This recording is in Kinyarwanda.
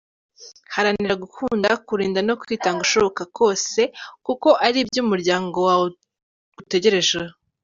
Haranira gukunda, kurinda no kwitanga ushoboka kose kuko aribyo umuryango wawe ugutegerejeho.